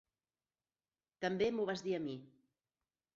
També m'ho vas dir a mi.